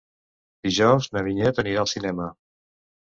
Dijous na Vinyet anirà al cinema.